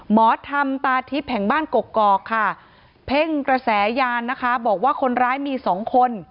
หมอธรรมตาทิพย์แห่งบ้านกกอกค่ะเพ่งกระแสยานนะคะบอกว่าคนร้ายมีสองคน